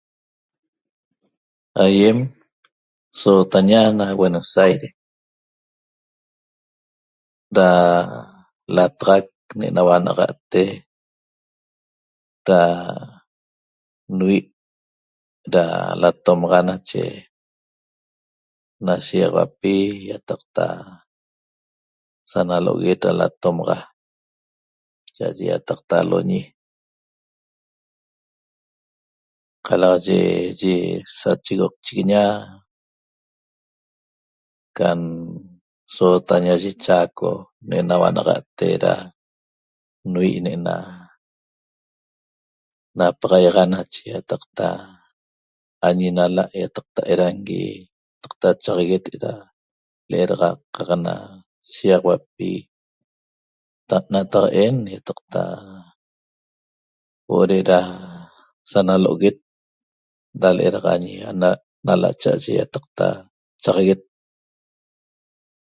Aýem sootaña na Buenos Aires da lataxac ne'naua na'axa'te da nvi' da latomaxa nache na shiýaxauapi ýataqta sa nalo'oguet da latomaxa cha'aye ýataqta aloñi qalaye yi sachigoqchiguiña can sootaña yi Chaco ne'naua na'axa'te da nvi ne'ena napaxaiaxa nache ýataqta añi nala' ýataqta edangui ýataqta chaxaguet de'da l'edaxa qaq na shiýaxauapi nataq'en ýataqta huo'o de'eda sa nalo'oguet da l'edaxa añi nala' cha'aye ýataqta chaxaguet